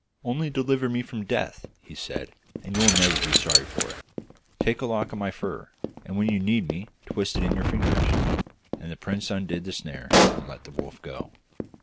'Only deliver me from death,' he said, 'and you will never be sorry for it. Take a lock of my fur, and when you need me twist it in your fingers.' And the prince undid the snare and let the wolf go.